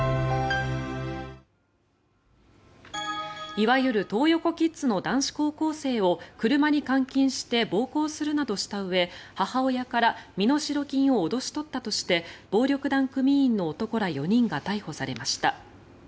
いわゆるトー横キッズの男子高校生を車に監禁して暴行するなどしたうえ母親から身代金を脅し取ったとして暴力団組員の男ら４人が逮捕されました。